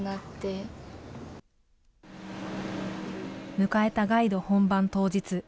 迎えたガイド本番当日。